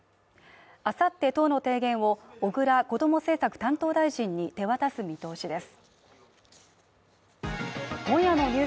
明後日、党の提言を小倉こども政策担当大臣に手渡す見通しです。